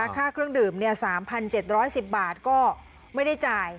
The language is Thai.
ค่าเครื่องดื่ม๓๗๑๐บาทก็ไม่ได้จ่าย